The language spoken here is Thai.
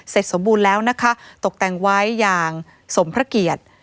สมบูรณ์แล้วนะคะตกแต่งไว้อย่างสมพระเกียรติ